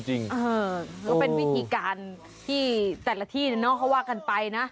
ก็เป็นวิธีการที่แต่ละที่เขาว่ากันไปนะ